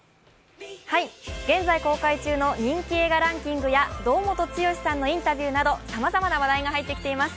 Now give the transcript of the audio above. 現在公開中の人気映画ランキングや、堂本剛さんのインタビューなど、さまざまな話題が入ってきています。